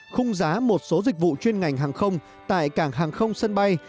khung giá một số dịch vụ chuyên ngành hàng không tại cảng hàng không sân bay